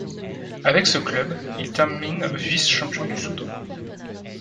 Avec ce club, il termine vice-champion du Soudan.